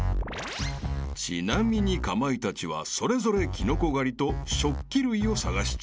［ちなみにかまいたちはそれぞれキノコ狩りと食器類を探し中］